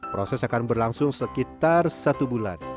proses akan berlangsung sekitar satu bulan